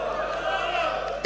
sulit menghargai bangsa sendiri